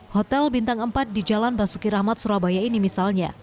hotel bintang empat di jalan basuki rahmat surabaya ini misalnya